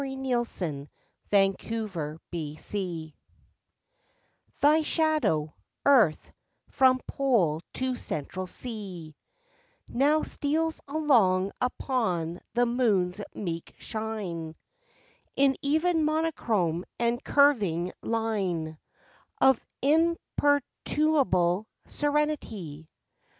AT A LUNAR ECLIPSE THY shadow, Earth, from Pole to Central Sea, Now steals along upon the Moon's meek shine In even monochrome and curving line Of imperturbable serenity.